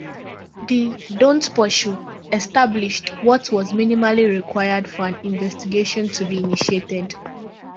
The "Don't Pursue" established what was minimally required for an investigation to be initiated.